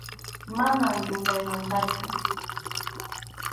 Mana yuyayllamantachu.